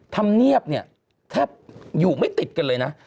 ทำเงียบแทบอยู่ไม่ติดกันเลยนะ